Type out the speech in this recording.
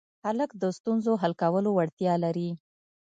هلک د ستونزو حل کولو وړتیا لري.